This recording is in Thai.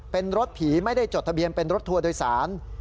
เป็นรถผีไม่ได้จดทะเบียนเป็นรถทัวร์โดยสาร